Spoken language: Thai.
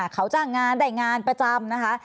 เขาจ้างงานได้งานประจำนะคะ